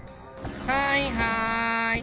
はいはい。